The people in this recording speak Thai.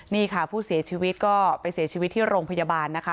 นี่ค่ะผู้เสียชีวิตก็ไปเสียชีวิตที่โรงพยาบาลนะคะ